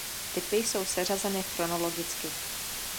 Typy jsou seřazeny chronologicky.